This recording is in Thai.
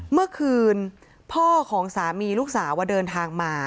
เมื่อคืนพ่อของสามีลูกสาวว่าเดินทางมา